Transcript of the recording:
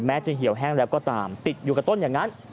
จะเหี่ยวแห้งแล้วก็ตามติดอยู่กับต้นอย่างนั้น